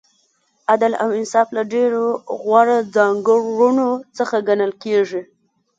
عدل او انصاف له ډېرو غوره ځانګړنو څخه ګڼل کیږي.